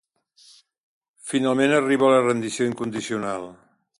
Finalment arriba la rendició incondicional.